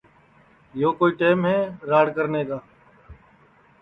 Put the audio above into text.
یو کوئی ٹیم ہے راڑ کرنے کا